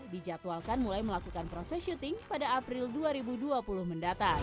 dijadwalkan mulai melakukan proses syuting pada april dua ribu dua puluh mendatang